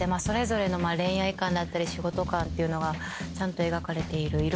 それぞれの恋愛観だったり仕事観っていうのがちゃんと描かれている